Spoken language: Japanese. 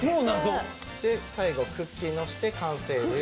最後クッキーのせて完成です。